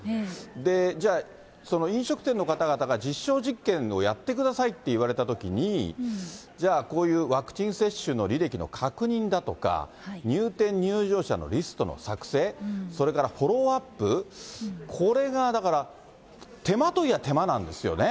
じゃあ、飲食店の方々が実証実験をやってくださいって言われたときにじゃあ、こういうワクチン接種の履歴の確認だとか、入店、入場者のリストの作成、それからフォローアップ、これが、だから手間といや手間なんですよね。